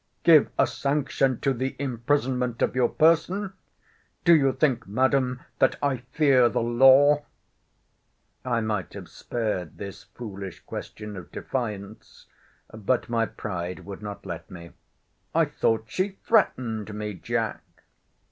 Give a sanction to the imprisonment of your person! Do you think, Madam, that I fear the law? I might have spared this foolish question of defiance: but my pride would not let me. I thought she threatened me, Jack.